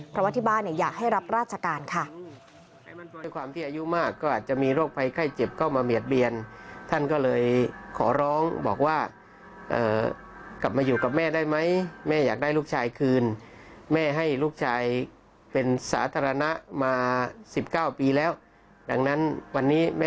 เพราะว่าที่บ้านอยากให้รับราชการค่ะ